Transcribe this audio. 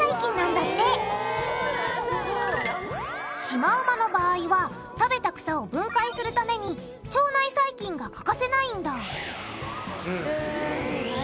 シマウマの場合は食べた草を分解するために腸内細菌が欠かせないんだ